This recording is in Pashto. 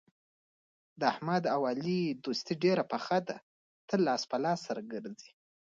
د احمد او علي دوستي ډېره پخه ده تل لاس په لاس سره ګرځي.